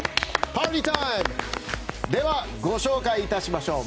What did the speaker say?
では、ご紹介いたしましょう。